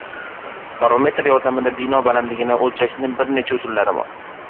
– Barometr yordamida bino balandligini oʻlchashning bir necha usullari bor